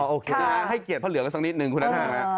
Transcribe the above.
โอเคค่ะให้เกียรติพระเหลืองก็สักนิดหนึ่งคุณนักฐานนะเออ